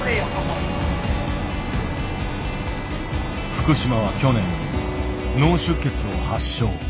福島は去年脳出血を発症。